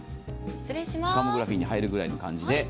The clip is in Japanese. サーモグラフィーに入るぐらいの感じで。